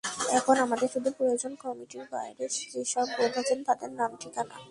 এখন আমাদের শুধু প্রয়োজন কমিটির বাইরের যেসব বন্ধু আছেন তাঁদের নাম-ঠিকানা।